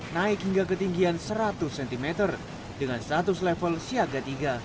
naik hingga ketinggian seratus cm dengan status level siaga tiga